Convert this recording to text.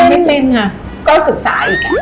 ค่ะก็ฝีการศึกษาอีก